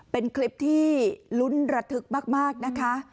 เป็นคลิปที่ลุ้นระทึกมากนะคะ